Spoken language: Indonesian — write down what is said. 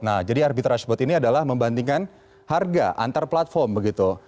nah jadi arbitrage boat ini adalah membandingkan harga antar platform begitu